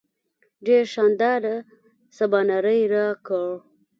ډېر شانداره سباناری راکړ.